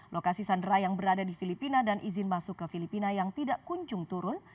lokasi sandera yang berada di filipina dan izin masuk ke filipina yang tidak kunjung turun